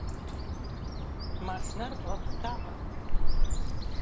Машинэр бгъапытагъа?